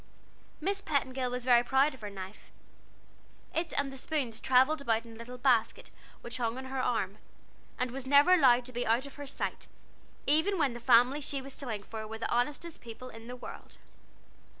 Miss Petingill was very proud of her knife. It and the spoons travelled about in a little basket which hung on her arm, and was never allowed to be out of her sight, even when the family she was sewing for were the honestest people in the world.